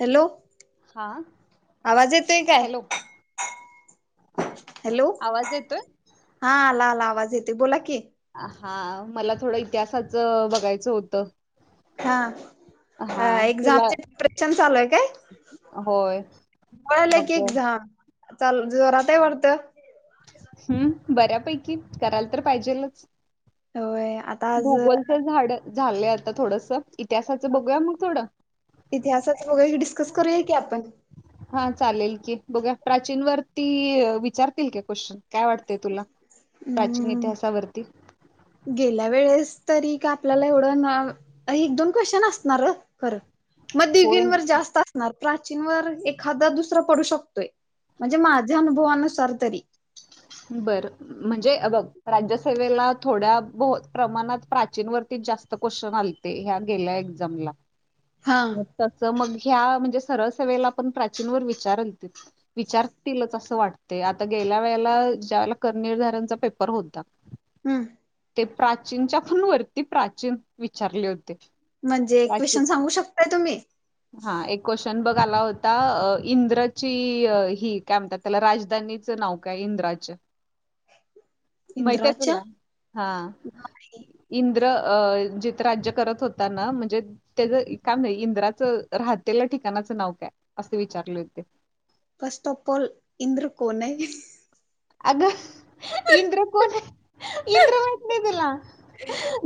Hello, हा आवाज येतोय काय? हॅलो हॅलो आवाज येतोय हा आला आला आवाज येते बोला की. हा मला थोडं इतिहासाच बघायचं होतं. हा हा तुला एक्झामचे प्रिपरेशन चालू हाय काय? होय आलं की मग एक्साम चालू, जोरात आहे वाटतं.? बऱ्यापैकी करायला तर पाहिजेलच. होय आता आज भूगोलच झाड झालंय आता थोडस इतिहासाचं बघूया मग थोडं. इतिहासाच बघूया की डिस्कस करूया की आपण. हा चालेल की बघू या प्राचीन वरती विचारतील का क्वेश्चन काय वाट तय तुला प्राचीन हम्म इतिहासावरती. गेल्या वेळेस तरी का आपल्याला एवढं ना एक दोन क्वेश्चन असणार खरं. मग दिदी होय न वर जास्त प्राचीन वर एखादा दुसर पडू शकतोय म्हणजे माझ्या अनुभवानुसार तरी. बरं. म्हणजे बघ राज्यसभेला थोड्या ब प्रमाणात प्राचीन वरती जास्त क्वेश्चन आल ते ह्या गेल्या एक्झाम ला. हा म तस मग ह्या म्हणजे सरळ सवेला पण प्राचीनवर विचार विचारतीलच असं वाटतय आता गेल्या पहिला ज्याल करनिर्धारणचा पेपर होता हम्म ते प्राचीनच्या पण वरती प्राचीन विचारले होते. म्हणजे प्राचीन क्वेशन सांगू शकताय तुम्ही? हा एक क्वेश्चन बघ आला होता इंद्रची ही काय म्हणतात त्याला राजधानीचं नाव का इंद्राच्या माहितय इंद्राच्या तुला हा नाही इंद्र जित राज्य करत होता ना म्हणजे त्याचं इंद्राचं राहतेल्या ठिकाणाचं नाव काय असे विचारले होते. फस्ट ऑफ ऑल इंद्र कोन हाय? अगं इंद्र कोण आहे, इंद्र माहीत नाही तुला?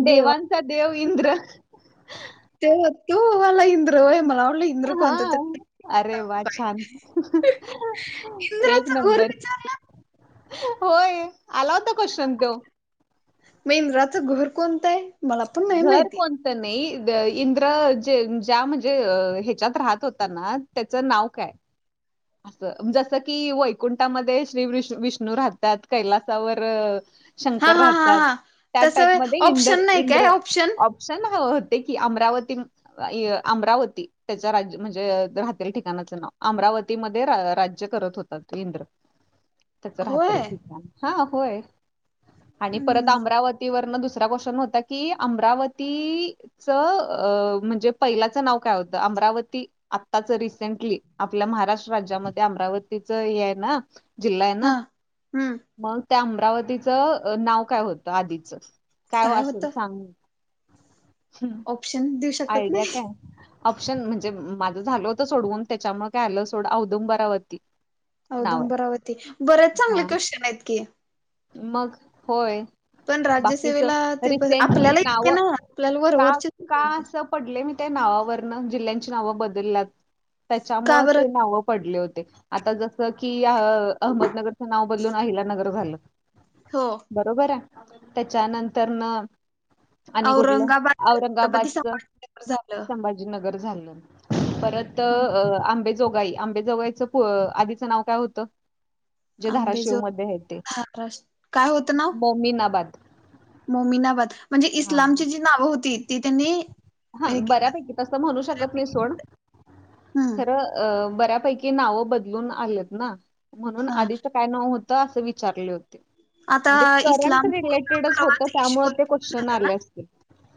देवा देवांचा देव इंद्र. ते तो वाला इंद्र होय मला वाटलं इंद्र हा कोणतं तरी अरे वा काय छान एक इंद्राचं घोर नंबर विचारलं होय, आला होता क्वेशन तो. मग इंद्राच घर कोणत आहे? मला पण नाही घर माहिती कोण नाही इंद्र जे ज्या म्हणजे ह्याच्यात राहत होता ना त्याचं नाव काय? असं जसं कि वैकुंठामध्ये श्री विष्णू राहतात कैलासावर हा शंकर हा हा राहतात, हा त्या तसं व्हय. टाईपमध्ये इंद ऑप्शन नाही काय इंद्र ऑप्शन छान हवं होते की अमरावती अमरावती त्याच्या राज्य म्हणजे राहतेल ठिकाणाचं नाव अमरावती. अमरावती मध्ये राज्य करत होतात इंद्र त्याच होय राहतेल ठिकाण हा होय. आणि परत हम्म अमरावतीवरन दुसरा क्वेशन होता की अमरावती च अ म्हणजे पहिल्याचं नाव काय होतं? अमरावती आत्ताच रिसेंटली आपल्या महाराष्ट्र राज्यामध्ये अमरावतीच हे आहे ना जिल्हा आहे ना हा हम्म मग त्या अमरावतीचं नाव काय होतं आधीचं काय वा असेल सांग? हम् ऑप्शन देऊ शकत आयडिया नाही काय ऑप्शन म्हणजे माझं झाल होत सोडवून त्याच्यामुळे काय आलं सोड औदंबरावती. औदुंबरावती बरेच चांगले हा क्वेशन आहेत की? मग होय. पण बाकीच राज्यसेवेला ते रिसेंटली आपल्याला नाव येते ना आपल्याला का वरवरचे का? असं पडले मी त्या नावावरन जिल्ह्यांची नाव बदलल्यात का त्याच्यामुळे बरं ते नाव पडले होते आता जस की अहमदनगरचं नाव बदलून अहिलानगर झालं. हो बरोबर हाय? त्याच्यानंतर न आणि कुठलं? औरंगाबाद छत्रपती औरंगाबादच संभाजीनगर झालं संभाज जी नगर झालं. परत ह आंबेजोगाई आंबेजोगाईचं आधीच नाव काय होतं? जे आंबेजो धाराशिवमध्ये आहे ते महाराष्ट्र मोमीनाबाद. मोमीनाबाद म्हणजे हा इस्लामची जी नावं होती ती त्यांनी हा हे केलं बऱ्यापैकी तस म्हणू शकत नाही सोड. हम्म सगळं, अ खर बऱ्यापैकी नाव बदलून आलेत ना, म्हणून हा आधीचं काय नाव होतं असं विचारले होते. आता म्हणजे करंट इस्लाम रिलेटेडच होत, परवाच त्यामुळे ते ईश्वरपूर क्वेशन झालं आले असतील.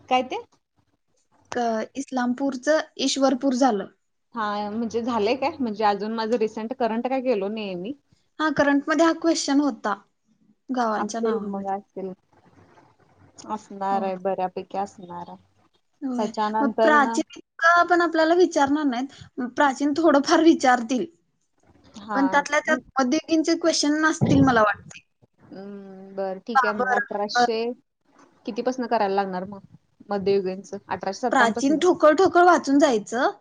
काय ते? इस्लामपूरचं, ईश्वरपूर झालं. हा म्हणजे झालेय काय? म्हणजे, अजून माझं रिसेंट करंट काय केलो नाही मी. हा करंट मध्ये हा क्वेश्चन होता, गावांच्या असेल मग नावामध्ये. असेल असणार हो आहे. बऱ्यापैकी असणार आहे. होय. मग त्याच्यानंतर ना प्राचीन कवा पण आपल्याला विचारणार नाहीत. प्राचीन थोडंफार विचारतील. हा पण त्यातल्या त्यात मध्ययुगिंचे क्वेश्नसतील मला वाटते. हम्म! बरं ठीक आहे मग बाबर आठ अकबर अठराशे कितीपसन करायला लागणार मग मध्युगीनच? प्राचीन ठोकळ, ठोकळ वाचून जायचं.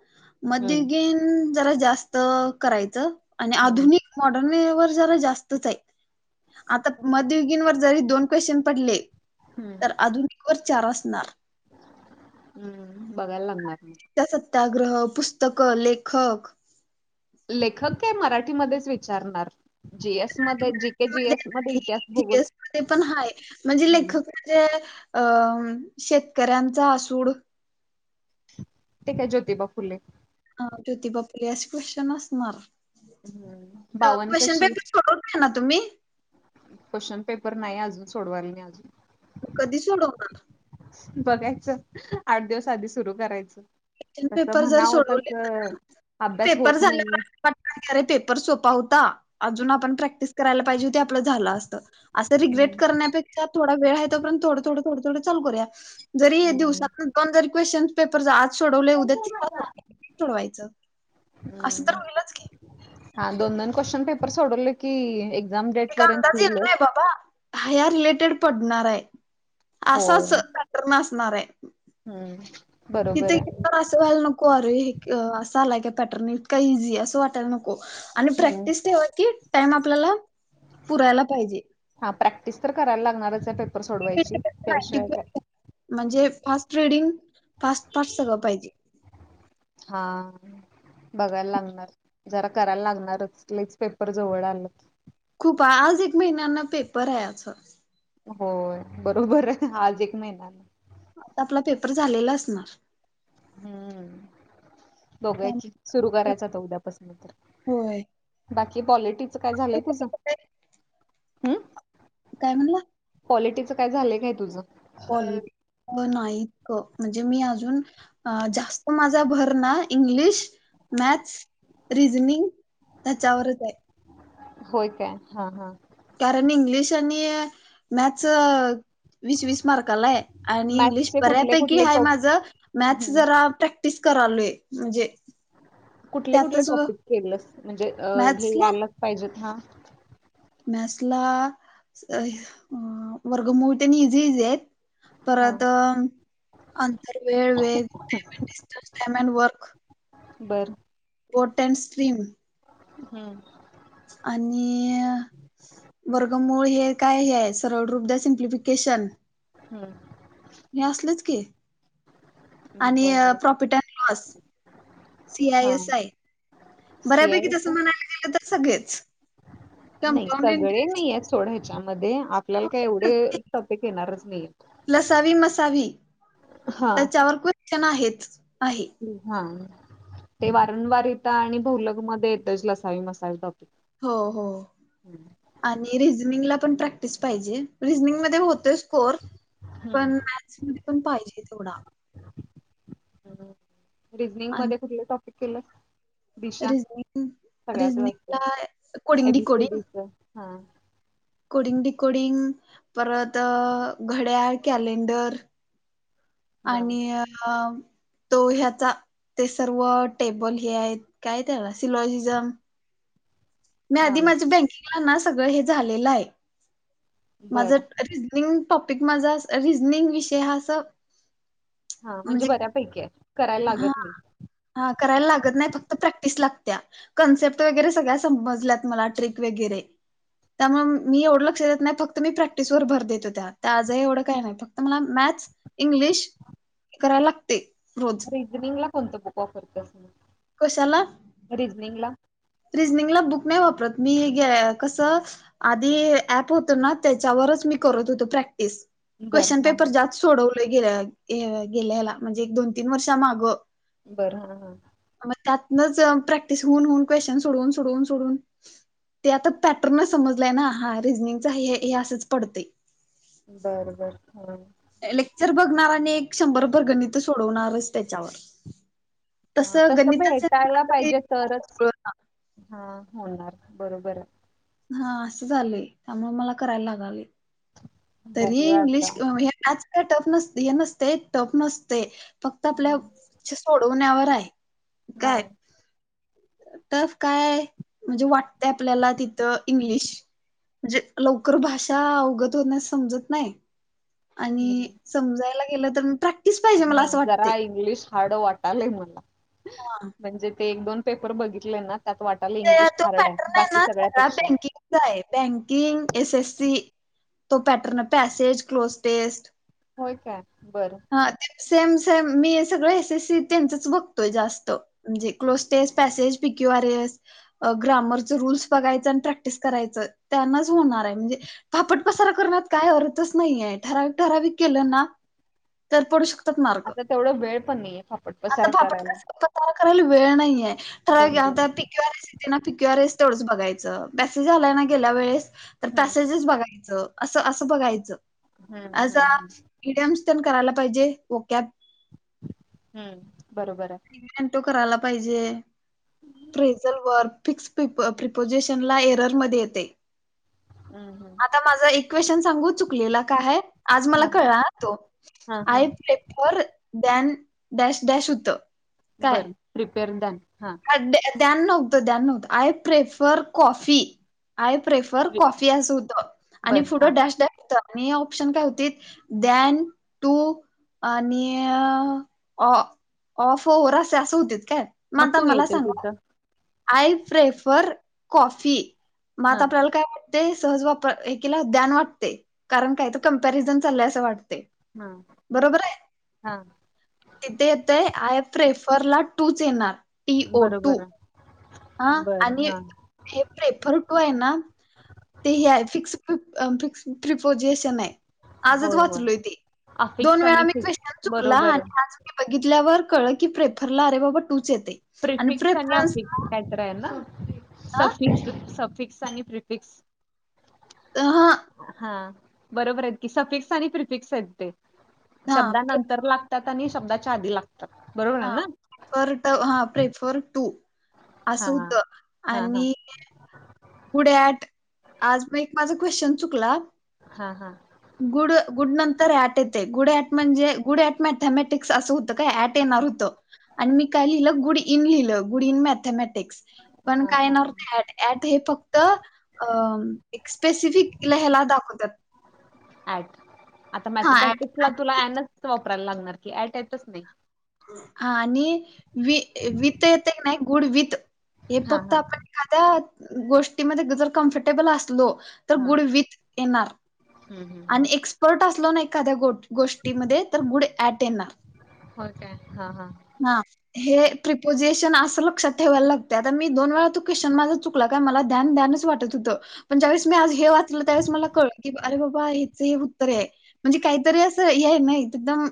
हम्म मध्ययुगीन जरा जास्त करायचं आणि हम्म आधुनिक मॉडर्नवर जरा जास्तच आहे. आता मध्ययुगीन व जरी दोन क्वेश्चन पडले हम्म तर अधुनिक वर चार असणार. हम्म! बघायला लागणार. त्या सत्याग्रह, पुस्तकं, लेखक. लेखक काय मराठीमध्येच विचारणार. जी एस मध्ये, जी के जी एस मध्ये इतिहास, भूगोल मध्ये पण हाय म्हणजे लेखक म्हणजे अ शेतकऱ्यांचा असूड ते काय ज्योतिबा फुले. हा, ज्योतिबा फुले असे क्वेश्चन असणार. हम्म. बावन क्वेश्चन कशी पेपर [unintelligible] क्वेश्चनपेपर नाही अजून सोडवायला नाही अजून. कधी सोडवणार? बघायचं, आठ दिवस आधी सुरु करायचं. क्वेश्चन तसं पेपर जर म्हणावं, सोडवले तसं अभ्यास होत नाहीये. पटकन पेपर सोपा होता. अजून आपण प्रॅक्टिस करायला पाहिजे होती. आपलं झालं असत. असं रिग्रेट हम्म करण्यापेक्षा थोडा वेळ आहेपर्यंत थोडं, थोडं, थोडं संपू द्या. जरी हे हम्म. दिवसांतन दोनदा क्वेश्न पेपर आज सोडवले. उद्या [unintelligible] सोडवायचं. असं तर हम्म. होईलच की, हा दोन- दोन क्वेश्चन पेपर सोडवले की, एक्झाम डेट एक पर्यंत अंदाज येईल होईलच. ना बाबा, हे या रिलेटेड पडणार आहे. असं होय असं पॅटर्न असणार आहे. [unintelligible] इथं आहे. [unintelligible] असं व्हायला नको, अरे! हे असं आलाय काय पॅटर्न, इतका इझी असं वाटायला नको. आणि हम्म. प्रॅक्टिस ठेवा. की, टाइम आपल्याला पुरायला पाहिजे. हा! प्रॅक्टिस तर करायला लागणारच आहे. पेपर सोडवायची. नाईन्टी त्याशिवाय म्हणजे फास्ट रीडिंग, फास्ट, फास्ट सगळ पाहिजे. हा! बघायला लागणार. जरा करायला लागणारच लईच पेपर जवळ आलेत. खूप! आज एक महिन्यांना पेपर आहे आज. होय! बरोबर आहे, आज एक महिना. आता आपला पेपर झालेला असणार. हम्म! बघुया की सुरू करायचा आता उद्यापासून तर होय बाकी पॉली टीच काय झालंय तुझ? हम्म. काय म्हणला? क्वालिटीचं काय झालं काय तुझं? कॉलिटिक नाहीत अ म्हणजे मी अजून अ जास्त माझा भर ना इंग्लिश, मॅथस रिझनिंग त्याच्यावरच हाय. होय काय हा हा. कारण इंग्लिश आणि मॅथस वीस वीस मार्कालाय. आणि इंग्लिश मॅथ्सचे कुठले बऱ्यापैकी कुठले हाय टॉप माझ मॅथस हम्म जरा प्रॅक्टिस करालोय म्हणजे कुठले कुठले त्यातच टॉपिक केलंस म्हणजे अ हे मॅथ्सला आलंच पायजेत हा. मॅथसला अ वर्गमूळ त्यांन इझी इझी हेत. हा परत अंतरवेळ वेद डायमंडस् डिस्टन्स, डायमंड वर्क बरं. पोटॅन स्ट्रीम. हम्म. आणि. वर्गमूळ हे काय हे आहे सरळ रूप द्या सिम्प्लिफिकेशन. हम्म. हे असलेच की. आणि बर profit and loss, C I हा एस आय. सी बऱ्यापैकी आय का तसं म्हणायला गेलं तर सगळेच. नाही कंपाऊंड सगळे नाहीय सोड ह्याच्यामध्ये आ आपल्याला काय एवढे इंटरेस्ट टॉपिक येणारच नाही लसावी हा. क्षमा आहेच आहे. हा ते वारंवार येतं आणि भवलग मध्ये येतच लसावी मसावी टॉपिक. हो हो. आणि रिजनिंगला पण प्रॅक्टिस पायजे रिजनिंग मध्ये होतोय स्कोअर. पण हम्म मॅथ्समध्ये पण पायजे थोडा. आणि रिजनिंगमध्ये कुठलं टॉपिक केलं? दिशा रिझनिंग सगळ्यातच असत रिझनिंगला coding A B decoding C D च हा. कोडिंग डिकोडिंग परत घड्याळ, कॅलेंडर हा आणि अ तो ह्याचा ते सर्व टेबल हे आहेत काय त्याला सिलॉजिजम मी हा आधी माझ्या बँकिंगलाना सगळं हे झालेलं आहे, माझ बरं निंग टॉपिक माझ रिझनिंग विषय हा अस हा म्हणजे बऱ्यापैकी आहे करायला हा लागत नाय. हा करायला लागत नाय फक्त प्रॅक्टिस लागत्या. कन्सेप्ट वगैरे सगळ्या समजल्यात मला ट्रिक वगैरे त्यामुळे मी एवढं लक्ष देत नाय फक्त मी प्रॅक्टिसवर भर देत हो त्या आजही एवढं काय नाय. फक्त मला मॅथ इंग्लिश करायला लागतंय. रिझनिंगला कोणतं बुक ऑफर कर कशाला? रिझनिंगला. रिझनिंगला बुक नाय वापरत मी हे घ्या कसं आधी ऍप होतो ना, त्याच्यावरच मी करत होतो प्रॅक्टिस. बर क्वेश्चन हा पेपर हा जात सोडवल गे गेल्याला म्हणजे एक दोन तीन वर्षा मागं, बरं हं हं मग त्यातनच प्रॅक्टिस होऊन होऊन, क्वेशन सोडवून सोडवून सोडून ते आता पॅटर्नच समजलंय ना हा रिझनिंगचा हे हे असंच पडते बर बर [unintelligible] लेक्चर बघणार आणि एक शंभर परगणी तर सोडवणारच त्याच्यावर हा, तसं गणिता भेटायला पाहिजे तरच [unintelligible] हा होणार बरोबर हे हा असं झाली त्यामुळे मला करायला लागावी तरी बघूया आता इंग्लिश हे नाच टफ नस हे नसते टफ नसते फक्त आपल्या सोडवण्यावर आहे. हा काय?.. टफ काय आहे म्हणजे वाटतय आपल्याला तिथं इंग्लिश. म्हणजे लवकर भाषा अवगत होण्यास समजत नाही, आणि हम्म समजायला गेलं तर प्रॅक्टिस पाहिजे मला नाही असं वाटतय. जरा इंग्लिश हार्ड वाटालंय मला, म्हणजे ते एक दोन पेपर बघितलय ना त्यात वाटत मला इंग्लिश हार्ड आहे, बाकी सगळ्यांपेक्षा. कसंय बँकिंग एसएससी तो पॅटर्न पॅसेज क्लोथ टेस्ट होय काय, बरं. हा ते सेम सेम मी सगळं एस एससी त्यांचच बघतोय, जास्त म्हणजे क्लोजटेस्ट पॅसेज पिक्यू आरएस, ग्रामरचं रूल्स बघायचं आणि प्रॅक्टिस करायचं, त्यांनाच होणार आहे म्हणजे फापट पसार करण्यात काय अर्थच नाहीए, ठराविक ठराविक केलं ना, तर पडू शक [unintelligible] आता तेवढं वेळ पण नाहीये फापट पसारा करायला तयार करायला वेळ नाहीए, बरोबर आहे [unintelligible] क्यूर एस ना प्यूर एस तेथोडं बघयचं मेसेज झालाय ना गेल्या वेळेस [unintelligible] तर हम्म पॅसेजेस बघायचं असं असं बघायचं, हम्म हम्म अस हम्म [unintelligible] हम्म, बरोबर आहे. तो करायला पाहिजे, ट्रेझल वर्क. फिक्स प्रिपो प्रिपोजिशन ला एररमध्ये येते हम्म हम्म आता माझा एक क्वेशन सांगू चुकलेला काय आहे, आज मला कळला हा तो. हा हा I flapper than dash dash होत बरं प्रिपेअर [unintelligible] द्या द्यान नव्हतं द्यान नव्हतं, I prefer coffee. I prefer coffee अस हुत, आणि बरं हा पुढं डॅश डॅश हुत मी ऑप्शन काय हुतीत द्यान टू आणि अ...... ओ... ऑफ ओ्हर असे असं हुतित काय. मग मग आता तू मला येते सांगा, तिथं आय प्रेफर कॉफी म आता हां आपल्याला काय ते सहज वापरीला एकिला द्यान अस वाटतय. कारण काय तर कंपॅरिझन चाललंय असं वाटतय. हां बरोबर आहे. हां तिथे येतय, आय प्रेफर ला टूच येणार. टी ओ टू बरोबर आहे हा बरं आणि हां हे प्रेपर टू आहे ना. ते हे आहे फिक्स फिक्स प्रिपोजिशन आहे. आजच होय, होय. वाचलोय ते, दोन अफिक्स वेळा आणि मी फिक्स. क्वेशन चुकला बरोबर आहे. आणि आजच बघितल्यावर कळं की प्रेफरला अरे बाबा टूच येतय, आणि प्रेफरन्सला खरं हाय ना सफिक्स -सफिक्स आणि प्रिफिक्स हा, बरोबर आहेत कि, सफिक्स आणि प्रिफिक्स आहेत ते हा शब्दा नंतर लागतात, आणि शब्दाच्या आधी लागतात बरोबर आहे ना? अ र ट हां प्रेफर टू, असं हां. हुतं हां, हां. आणि गुड ऍट, आज मग एक माझा क्वेशन चुकला हा, हा. गुड, गुड नंतर ऍट येतय, गुड ऍट म्हणजे गुडऍट म्या मँथमॅटिक्स असं होतं काय, ऍट येणार हुतं आणि मी काय लिहिलं गुडी इन लिहिलं, गुड इन मॅथमॅटिक्स, पण हां, काय हां. येणार हुत ऍट ऍट हे फक्त अ, एक स्पेसिफिक हेला दाखवत्यात ऍट आता हा ॲट मॅथेमॅटिक्स तुला, तुला आणि एनच वापरायला लागणार की, ऍट येतच नाही. आणि वि, विथ येते की नाही, गुड विथ हे हां, फक्त हां. आपण एखाद्या गोष्टीमध्ये जर कम्फर्टेबल असलो तर हां. गुड विथ येणार हं, हं, हं. आणि एक्सपर्ट असलो ना एखाद्या गोट गोष्टीमध्ये तर गुड एट येणार. हो काय हा हा. हां, हे प्रिपोजेशन असं लक्षात ठेवायला लागतय, आता मी दोन वेळा तु क्वेश्चन माझ चुक तुला काय मला ध्यान, ध्यानच वाटत होतं. पण ज्या वेळेस मी आज हे वाचलं त्यावेळेस मला कळलं की, अरे बाबा हिच हे उत्तर हेय म्हणजे काहीतरी असं हे नाही एकदम